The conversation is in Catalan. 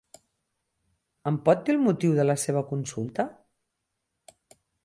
Em pot dir el motiu de la seva consulta?